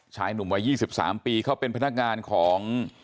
ชายหนุ่มวัย๒๓ปีเขาเป็นพนักงานของ